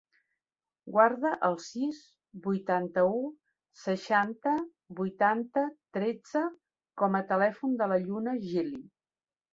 Guarda el sis, vuitanta-u, seixanta, vuitanta, tretze com a telèfon de la Lluna Gili.